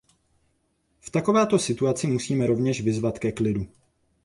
V takovéto situaci musíme rovněž vyzvat ke klidu.